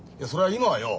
今はよ